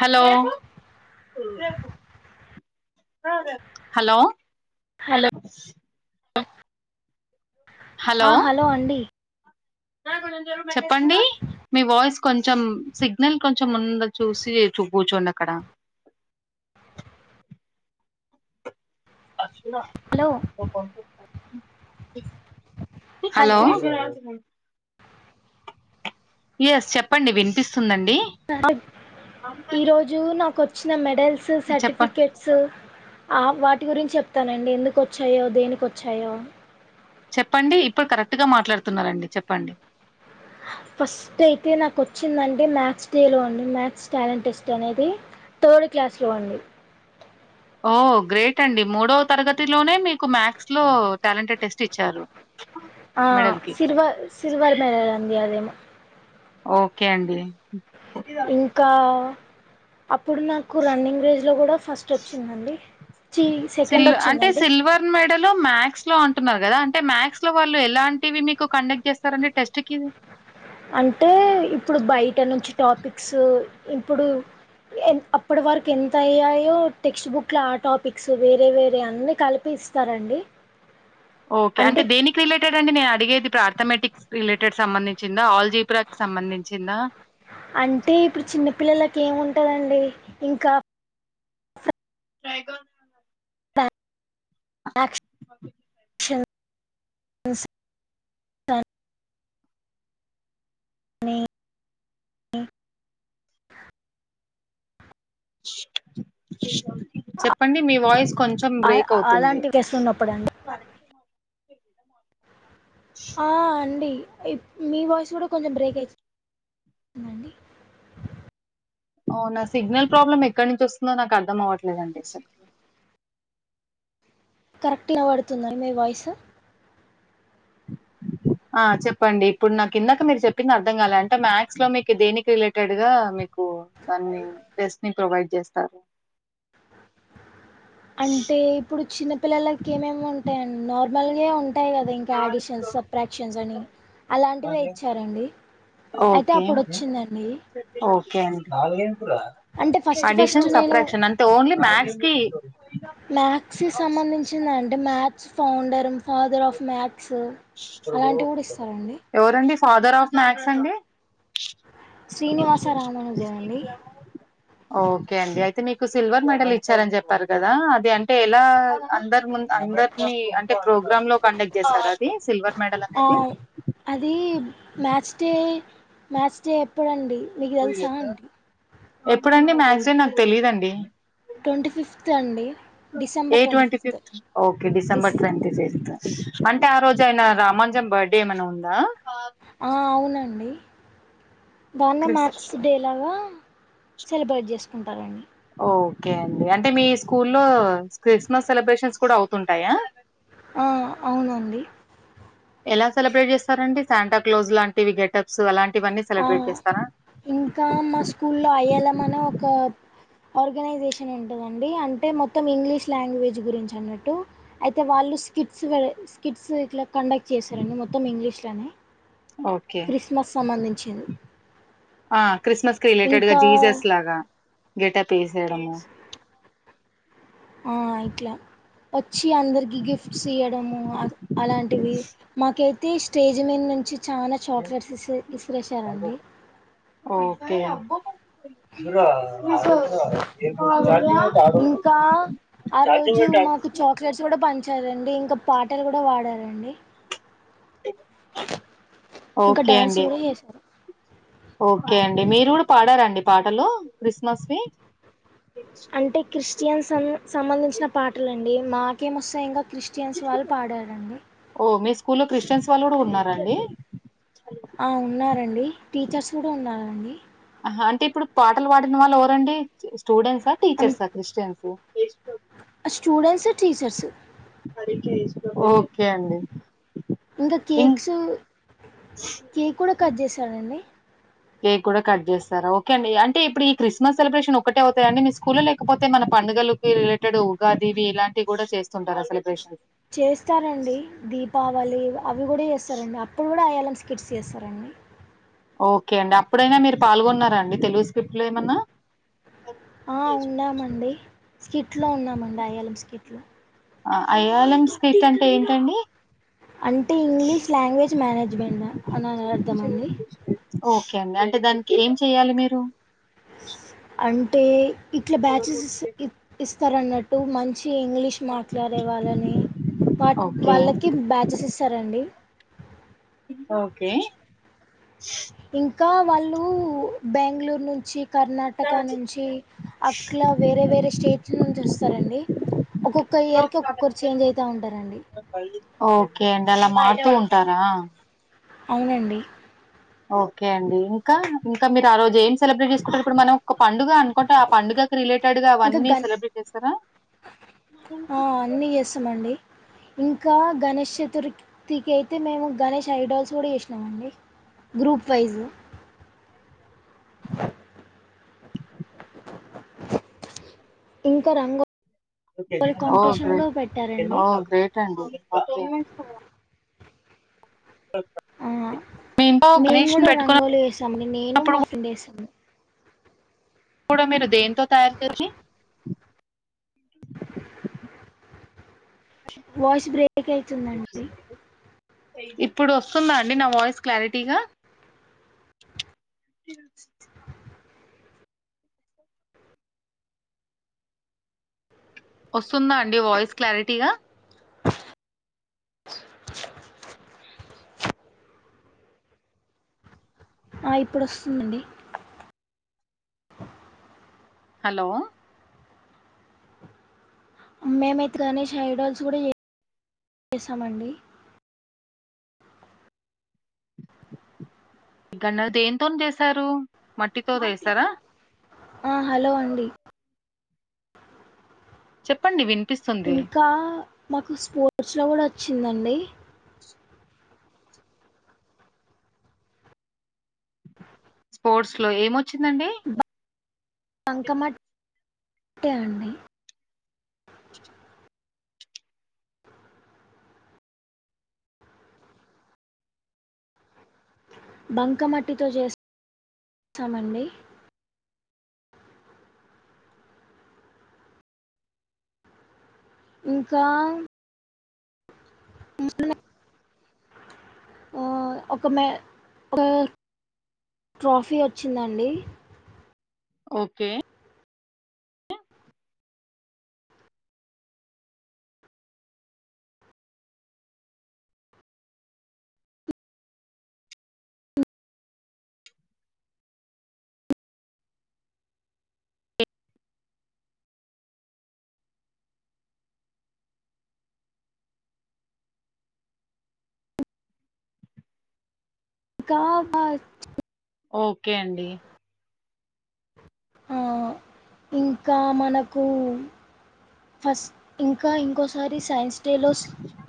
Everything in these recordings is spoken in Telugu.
హలో హలో హలో ఆ హలో అండి చెప్పండి మీ వాయిస్ కొంచెం సిగ్నల్ కొంచెం ముందు చూసి కూర్చోండాక్కడ చ్చ హలో కొ హలో ఎస్ చెప్పండి వినిపిస్తుందండి ఈరోజు నాకు వచ్చిన మెడల్స్ చెప్ప సర్టిఫికెట్స్ వాటి గురించి చెప్తానండి ఎందుకు వచ్చాయో దేనికొచ్చాయో చెప్పండి ఇప్పుడు కరెక్ట్గా మాట్లాడుతున్నారండి చెప్పండి ఫస్ట్ అయితే నాకు వచ్చిందంటడి మ్యాథ్స్ డేలో అండి మ్యాథ్స్ టాలెంట్ టెస్ట్ అనేది థర్డ్ క్లాస్ లో అండి ఓ గ్రేట్ అండి మూడవ తరగతిలోనే మీకు మ్యాథ్స్ లో టాలెంటెడ్ టెస్ట్ ఇచ్చారు ఆ మెడల్ కి సిల్వ సిల్వర్ మెడల్ అండి అది ఓకే అండి ఇంకా అప్పుడు నాకు రన్నింగ్ రేజ్ లో కూడా ఫస్ట్ వచ్చిందండి చి సెకండ్ సిల్వ అంటే వచ్చిందండి సిల్వర్ మెడల్ మ్యాథ్స్ లో అంటున్నారు కదా అంటే మ్యాథస్ లో వాళ్ళు ఎలాంటివి మీకు కండక్ట్ చేస్తారండి టెస్ట్ కి అంటే ఇప్పుడు బయట నుంచి టాపిక్స్ ఇప్పుడు అప్పటి వరకు ఎంత అయ్యాయో టెక్స్ట్ బుక్ లో ఆ టాపిక్స్ వేరే వేరే అన్ని కలిపి ఇస్తారండి ఓకే అంటే దేనికి రిలేటెడ్ అండి నేను అడిగేది అర్ధమెటిక్ రిలేటెడ్ సంబంధించి ఆల్ అంటే ఇప్పుడు చిన్న పిల్లలకి ఏముంట ఉంటాయి అండి ఇంకా ట్రై కా [unintelligible] నీ నీ వి చెప్పండి మీ వాయిస్ కొంచెం అ- బ్రేక్ అవుతుంది అలాంటి కేసులు ఉన్నప్పుడు అండి ఆ అండి మీ వాయిస్ కూడా కొంచెం బ్రేక్ అయిందండి ఓ నా సిగ్నల్ ప్రాబ్లమ్ ఎక్కడ నుంచి వస్తుందో నాకు అర్థం అవ్వట్లేదండిస కరెక్ట్గా పడుతుందండి మీ వాయిస్ ఆ చెప్పండి ఇప్పుడు నాకు ఇందాక మీరు చెప్పింది అర్థం కాలే అంటే మ్యాథ్స్ లో మీకు దేనికి రిలేటెడ్ గా మీ మీ దాన్ని టెస్ట్ ని ప్రొవైడ్ చేస్తారు అంటే ఇప్పుడు చిన్న పిల్లలకి ఏమేమి ఉంటాయడి నార్మల్గా ఉంటా ఉంటాయి కదా ఇంకా ఆడిషన్స్ అప్రాక్షన్స్ అని అలాంటివే ఇచ్చారండి అయితే ఓకే. అప్పుడు వచ్చిందండి అంటే ఫస్ట్ ఫస్ట్ అడిషన్ నేను సప్రాక్షన్ అంటే ఓన్లీ మ్యాథ్స్ కి మథ్స్కి సంబంధించిందంటే maths founder father of maths ఎవరండి ఫాదర్ ఆఫ్ మ్యాక్స్ అండి స శ్రీనివాస రామానుజన్ అండి [unintelligible] ఓకే అండి అయితే మీకు సిల్వర్ మెడల్ ఇచ్చారని చెప్పారు కదా అది అంటే ఎలా అందరు అందరినీ అంటే ప్రోగ్రామ్ లో కండక్ట్ చేస్తారు ఆ అది మ్యాచ్ డే మ్యాస్ డే ఎప్పుడండి మీకు తెలుసా అండి ఎప్పుడండి మాథ్స్డే నాకు తెలీదండి ట్వంటీ ఫిఫ్త్ అండి ఏ December twenty twenty fifth okay డిస్ డిసెంబర్ ట్వంట ఫ అంటే ఆ రోజు ఆయన రామాంజం బర్త్డే ఏమైనా ఉందా ఆ అవునండి దాన్నే క్రిస్ మార్క్స్ డేలాగా సెలబ్రేట్ చేసుకుంటారండి ఓకే అండి అంటే మీ స్కూ లో క్రిస్మస్ సెలబ్రేషన్స్ కూడా అవుతుంటాయా ఆ అవునండి ఎలా సెలబ్రేట్ చేస్తారండి శాంటాక్లోజ్ లాంటివి గెటప్స్ అలాంటి ఆ ఇంకా మా స్కూ లో ఇళమ్ ఒక ఆర్గనైజేషన్ ఉంటదండి అంటే మొత్తం ఇంగ్లీష్ లాంగ్వేజ్ గురించి అన్నట్టు అయితే వాళ్ళు స్కిట్స్ వె స్కిట్స్ ఇల కండక్ట్ చేశారండి మొత్తం ఇంగ్లీష్లోనే ఓకే క్రిస్మస్ సంబంధించి ఆ క్రిస్మస్ కి రిలేటెడ్ గా ఇంకా జీసస్ లాగా గేటప్ యేసేడము ఆ ఇట్లా వచ్చి అందరికి గిఫ్ట్స్ ఇయడము అలాంటివి మాకైతే స్టేజ్ మీద నుంచి చాలా చాక్లెట్స్ ఇ ఇసుకరేేశారండి ఓకే ఇంకా [unintelligible] ఆ రోజు మాకు చాక్లెట్స్ కూడా పంచారండి ఇంకా పాటలు కూడా పడారండి ఇంకా ఓకే డ్యాన్స్ అండి కూడా చేశారు ఓకే అండి మీరు కూడా పాడారండి పాటలు క్రిస్మస్ వి అంటే క్రిస్టియన్ సం సంబంధించిన పాటలు అండి మాకేమొస్తా ఇంకా క్రిస్టియన్స్ వాళ్ళు పాడారండి స్కూ లో క్రిస్టియన్స్ వాళ్ళు కూడా ఉన్నారండి ఆ ఉన్నారండి టీచర్స్ కూడా ఉన్నారండి అంటే ఇప్పుడు పాటలు పాడిన వాళ్ళు ఎవరండి స్టూడెంట్సా టీచర్సా క్రిస్టియన్స్ స్టూడెట్స్ టీచర్స్ ఓకే అండి ఇంకా ఇం కేక్స్ కేక్ కూడా కట్ చేసానండి కేక్ కూడా కట్ చేస్తారాఓకే అండి అంటే ఇప్పుడు ఈ క్రిస్మస్ సెలబ్రేషన్ ఒకటి అవుతాయి అడి మీ స్కూల్లో లేకపోతే మన పండు పగలకి రిలేటెడ్ ఉగాదీవి ఇలాంటి కూడా చేస్తుంటారు ఆ సెలబ్రేషన్ చేస్తారంండి దీపావళి అవి కూడా చేస్తారండి అప్పుడు కూడా అయలా బిస్కెట్స్ చేస్తారండి ఓకే అండి అప్పుడైనా మీరు పాల్గొన్నా అండి తెలుగు స్క్రిప్ట్లో ఏమన్నా ఉన్నామండి స్కిట్లో ఉన్నామండి అయళం స్కిట్లో ఆ అయళం స్కిట్ అంటే ఏంటండి అంటే ఇంగ్లీష్ లాంగ్వేజ్ మేనేజ్మెంట్ అనాని అర్థం అండి ఓకే అండి, అంటే దానికి ఏం చెయ్యాలి మీరు అంటే ఇట్లా బ్యాచెసేస్ ఇస్తారన్నట్టు మంచి ఇంగ్లీష్ మాట్లాడే వాళ్ళని వాట్ ఓకే వాళ్ళకి బ్యాచెసెస్ ఇస్తారండి ఓకే ఇంకా వాళ్ళు, బెంగళూరు నుంచి కర్ణాటక నుంచి, అట్లా వేరే వేరే స్టేట్స్ నుంచి వస్తారండి. ఒక్కొక్క ఇయర్ కి, ఒక్కొక్కరు చేంజ్ అవుతా ఉంటారండి. ఓకే అండి అలా కు ఉంటారా అవునండి ఓకే అండి, ఇంకా ఇంకా మీరు ఆ రోజు ఏం సెలబ్రేట్ చేసుకుంటారు. ఇప్పుడు మనం ఒక పండుగ అను టే ఆ పండుగకి రిలేటెడ్ గా ఇంకా అవన్నీ గన్ సెలబ్రేట్ చేస్తారా ఆ, అన్నీ చేస్తామండి ఇంకా గణేష్ చతురికిర్థికి అయితే మేము గణేష్ ఐడల్స్ కూడా చేసినామండి గ్రూప్ వైజు నైట్ ఆ ఇంకా రంగు ఓకే పెట్టారండి ఓ గ్రేట్ అండి ఆ మీ ఇంట్లో మేము గణేష్ ని కూడా పెట్టుకున్న రంగోలి వేసామండి, నేను మా ఫ్రెండ్ వేసాము. కూడా మీరు దేంతో తయారు చేసి వాయిస్ బ్రేక్ అయితుందండి ఇప్పుడు వస్తుందా అండి, నా వాయిస్ క్లారిటీగా, అ వస్తుందా అండి, వాయిస్ క్లారిటీగా, ఆ ఇప్పుడు వస్తుందండి, హలో మేమైతే గణేష్ ఐడల్స్ కూడా చే చేస్తామండి గన్న దేనితోని చేసారు మట్టితో చేస్థారా హలో అండి చెప్పండి విం ఇంకా మాకు స్పోర్ట్స్ లో కూడా వచ్చిందండి. స్పోర్ట్స్ లో ఏమొచ్చిందండి బంకమట్ ట్టే అండి బంకమట్టితో చేస్ స్తామండి ఇంకా [unintelligible] ఓ ఒక మే క ట్రోఫీ వచ్చిందండి ఓకే కా బ ప్చ్ ఓకే అండి ఆ ఇంకా, మనకు ఫస్ట్ ఇంకా ఇంకోసారి సైన్స్ డే లో స్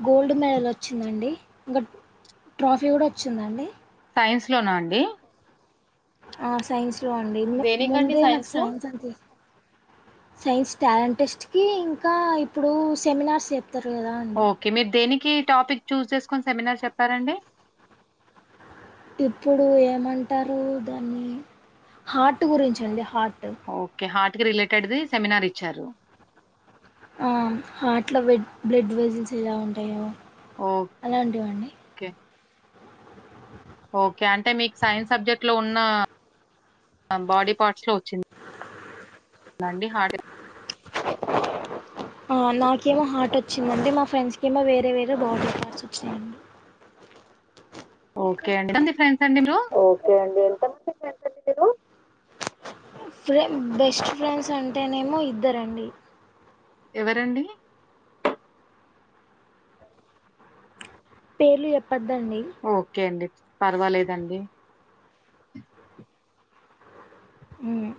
గోల్డ్ మెడల్ వచ్చిందండి ఇంకా ట్రోఫీ కూడా వచ్చిందండి సైన్స్ లోనా అండి ఆ సైన్స్ లో అండి ము దేనికండి ముందే నాకు లో సైన్స్ అంత సైన్స్ టాలెంట్ టెస్ట్ కి ఇంకా ఇప్పుడు సెమినార్స్ చెప్తారు కదా అండి. కి టాపిక్ చూస్ చేసుకుని సెమినార్ చెప్పారండి. ఇప్పుడు ఏమంటారు దాన్ని హార్ట్ గురిచండి హార్ట్ ఓకే హార్ట్ కి రిలేటెడ్ దే సెమినార్ ఇచ్చారు. ఆ హార్ట్ లో వెడ్ బ్లడ్ వెజిల్స్ ఎలా ఉంటాయో ఓకే అలాంటివండి ఓకే అంటే మీకు సైన్స్ సబ్జెక్ట్ లో ఉన్న అ బాడీ పార్ట్స్ లో వచ్చింది. నండి హార్ట్ అ నాకేమో హార్ట్ వచ్చిందండి. మా ఫ్రెండ్స్ కి ఏమో వేరే వేరే బాడి లో పార్ట్స్ వచ్చినాయండి ఓకే అండి టంది ఫ్రెండ్ ఓకే అండి ఎంత మంది ఫ్రెండ్స్ అండి మీరు ఫ్రె బెస్ట్ ఫ్రెండ్స్ అంటేనేమో ఇద్దరండి. ఎవరండి పేర్లు చెప్పద్దండి. ఓకే అండి. పర్వాలేదండి ఉమ్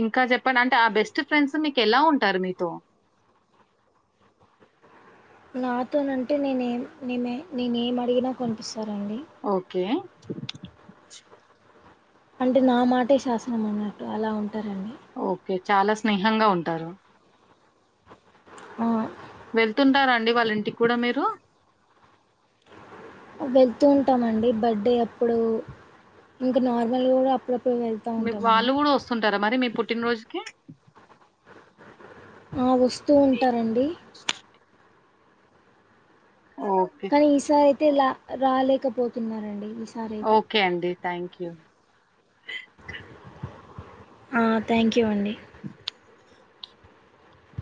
ఇంకా చెప్పండి అంటే ఆ బెస్ట్ ఫ్రెండ్స్ మీకు ఎలా ఉంటారు మీతో నాతోనంటే నేనేం నే నేనే ఏం అడిగినా కోనిపిస్తారండి. ఓకే. అంటే నా మాటే శాసనం అన్నట్టు అలా ఉంటారండి. ఓకే. చాలా స్నేహంగా ఉంటారు. ఆ వెళ్తుంటారాండి వాళ్ళ ఇంటికి కూడా మీరు వెళ్తూ ఉంటాము అండి బర్త్డే అప్పుడు ఇంకా నార్మల్ కూడా అప్పుడప్పుడు వెళ్తూ మీ వాళ్ళు ఉంటామండి కూడా వస్తుంటారా మరి మీ పుట్టినరోజుకి. ఆ వస్తూ ఉంటారండి. ఓకే. కానీ ఈసారి అయితే లా రాలేకపోతున్నారండి. ఈసారి అయితే ఓకే అండి థ్యాంక్ యూ ఆ థ్యాంక్ యూ అండి.